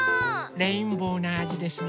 レインボーなあじですね。